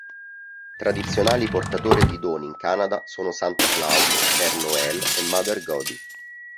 Tradizionali portatori di doni in Canada sono Santa Claus, Père Noël e Mother Goody.